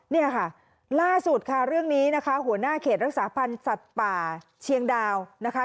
เนี่ยค่ะล่าสุดค่ะเรื่องนี้นะคะหัวหน้าเขตรักษาพันธ์สัตว์ป่าเชียงดาวนะคะ